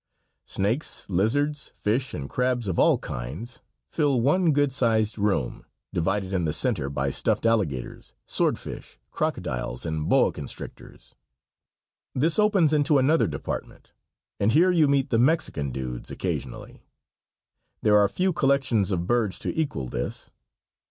Snakes, lizards, fish and crabs of all kinds fill one good sized room, divided in the center by stuffed alligators, swordfish, crocodiles and boa constrictors. This opens into another department, and here you meet the Mexican dudes occasionally. There are few collections of birds to equal this.